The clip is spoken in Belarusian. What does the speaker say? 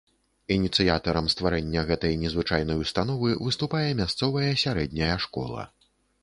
Ініцыятарам стварэння гэтай незвычайнай установы выступае мясцовая сярэдняя школа.